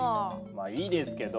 まあいいですけど。